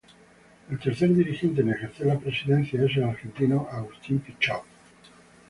El tercer dirigente en ejercer la presidencia es el argentino Agustín Pichot.